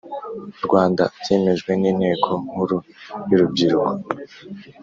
Rwanda byemejwe n Inteko Nkuru yurubyiruko